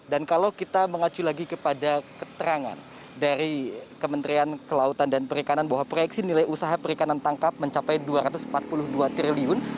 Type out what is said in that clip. dan kalau kita mengacu lagi kepada keterangan dari kementerian kelautan dan perikanan bahwa proyeksi nilai usaha perikanan tangkap mencapai dua ratus empat puluh dua triliun